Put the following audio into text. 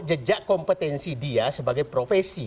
jejak kompetensi dia sebagai profesi